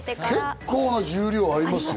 結構な重量ありますよ。